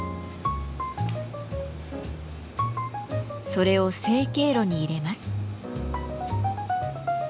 それを成形炉に入れます。